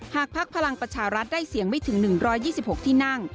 พักพลังประชารัฐได้เสียงไม่ถึง๑๒๖ที่นั่ง